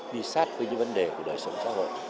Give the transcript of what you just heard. đi sát với những vấn đề của đời sống xã hội